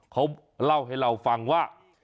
เขาเล่าให้เราฟังว่า